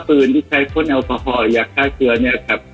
ปืนที่ใช้ข้นลัลโฮยักษ์ท่าเชื้อนี่ครับ